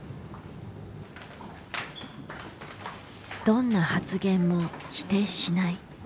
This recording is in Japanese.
どんな発言も否定しない。